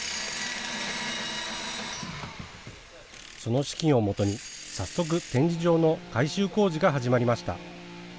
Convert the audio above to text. その資金をもとに早速、展示場の改修工事が始まりました。